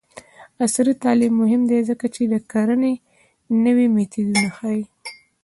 عصري تعلیم مهم دی ځکه چې د کرنې نوې میتودونه ښيي.